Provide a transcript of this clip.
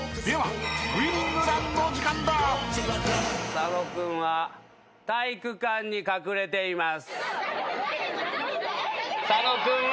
佐野君は体育館のどこかに隠れています。